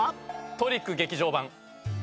『トリック劇場版』。